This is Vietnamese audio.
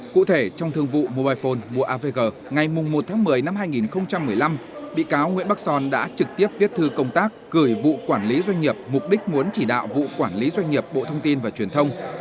cụ thể trong thương vụ mobile phone mua avg ngày một một mươi năm hai nghìn một mươi năm bị cáo nguyễn bắc son đã trực tiếp viết thư công tác gửi vụ quản lý doanh nghiệp mục đích muốn chỉ đạo vụ quản lý doanh nghiệp bộ thông tin và truyền thông